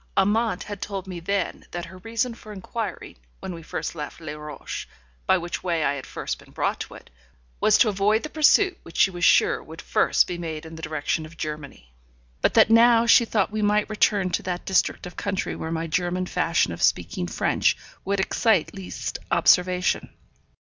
Amante had told me then that her reason for inquiring, when we first left Les Rochers, by which way I had first been brought to it, was to avoid the pursuit which she was sure would first be made in the direction of Germany; but that now she thought we might return to that district of country where my German fashion of speaking French would excite least observation.